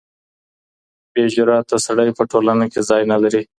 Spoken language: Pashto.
بې جرأته سړی په ټولنه کي ځای نه لري.